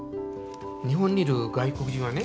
日本にいる外国人はね